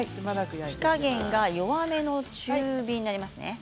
火加減が弱めの中火になりますね。